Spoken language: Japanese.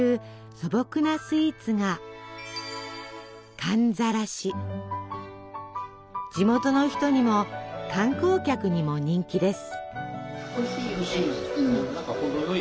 素朴なスイーツが地元の人にも観光客にも人気です。